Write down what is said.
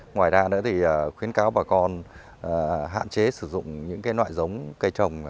ngoài ra nữa thì khuyến cáo bà con hạn chế sử dụng những loại giống cây trồng